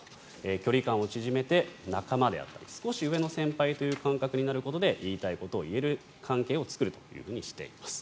距離感を縮めて仲間とか少し上の先輩という感覚で言いたいことを言える関係を作るとしています。